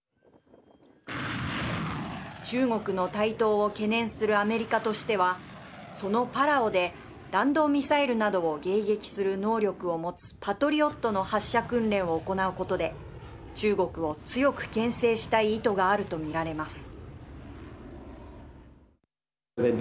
中国の台頭を懸念するアメリカとしてはそのパラオで弾道ミサイルなどを迎撃する能力を持つパトリオットの発射訓練を行うことで中国を強くけん制したい意図があると見られます。